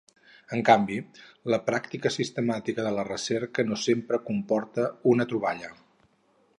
En canvi, la pràctica sistemàtica de la recerca no sempre comporta una troballa.